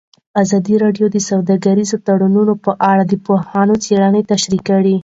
ازادي راډیو د سوداګریز تړونونه په اړه د پوهانو څېړنې تشریح کړې.